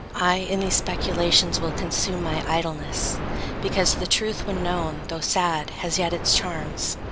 I in these speculations will consume My idleness; because the truth, when known, Though sad, has yet its charms.